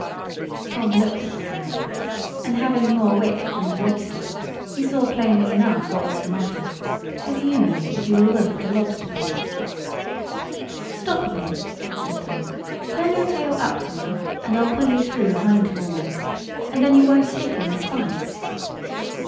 Tom looked at the trap, and having more wit than the lobster, he saw plainly enough what was the matter; as you may if you will look at a lobster pot. "Stop a bit," said Tom. "Turn your tail up to me, and I'll pull you through hindforemost, and then you won't stick in the spikes."